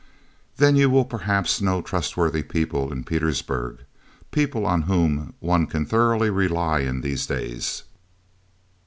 "Then you will perhaps know trustworthy people in Pietersburg, people on whom one can thoroughly rely in these days."